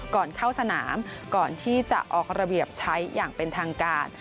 ก่อนเข้าสนามก่อนที่จะออกระเบียบใช้อย่างเป็นทางการ